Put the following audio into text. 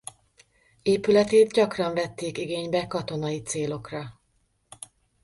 Épületét gyakran vették igénybe katonai célokra.